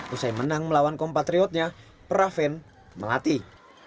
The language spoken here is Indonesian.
usai menang melawan kompatriotnya praven melatih